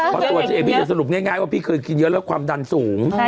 เพราะตัวฉันเองพี่จะสรุปง่ายว่าพี่เคยกินเยอะแล้วความดันสูง